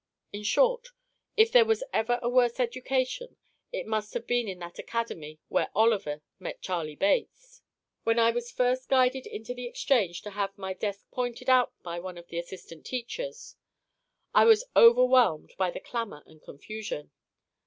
In short, if there was ever a worse education, it must have been in that academy where Oliver met Charlie Bates. When I was first guided into the exchange to have my desk pointed out by one of the assistant teachers, I was overwhelmed by the clamour and confusion.